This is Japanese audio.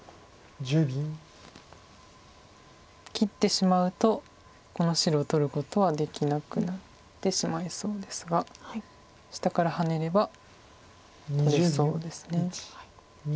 切ってしまうとこの白を取ることはできなくなってしまいそうですが下からハネれば取れそうです。